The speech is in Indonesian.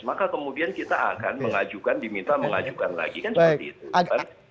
maka kemudian kita akan mengajukan diminta mengajukan lagi kan seperti itu